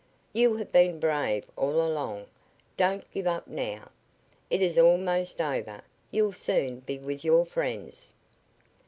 "You have been brave all along; don't give up now. It is almost over. You'll soon be with your friends."